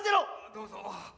どうぞ。